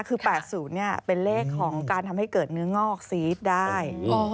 คือ๘๐เป็นเลขของการทำให้เกิดเนื้องอกซีดได้